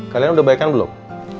kalian udah baik an belum